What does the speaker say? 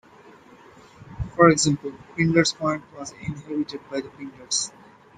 For example, Pinder's Point was inhabited by the Pinders.